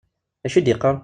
D acu i d-yeqqaṛ?